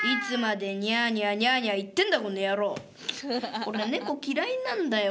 俺猫嫌いなんだよ。